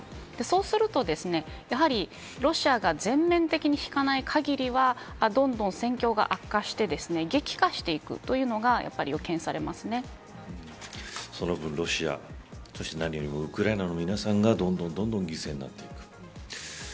そうするとやはりロシアが全面的に引かないかぎりはどんどん戦況が悪化して激化していくというのがその分ロシア、そして何よりもウクライナの皆さんがどんどん犠牲になっていく。